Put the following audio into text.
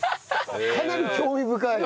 かなり興味深い。